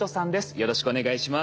よろしくお願いします。